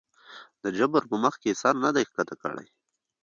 د جبر پۀ مخکښې سر نه دے ښکته کړے